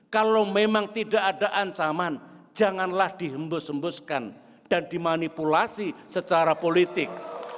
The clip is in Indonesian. kalau memang tidak ada ancaman janganlah dihembus hembuskan dan dimanipulasi secara politik